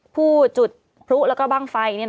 ผู้จุดพลุแล้วก็บ้างไฟ